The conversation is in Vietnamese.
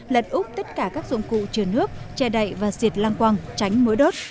lật úp tất cả các dụng cụ trường nước che đậy và diệt lang quang tránh mối đớt